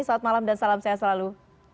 selamat malam dan salam sehat selalu